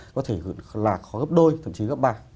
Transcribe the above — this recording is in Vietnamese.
có thể là khó gấp đôi thậm chí gấp ba